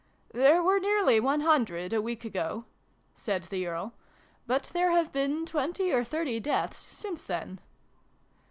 " There were nearly one hundred, a week ago," said the Earl: "but there have been twenty or thirty deaths since then."